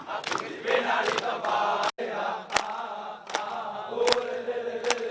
aku dipinari tempat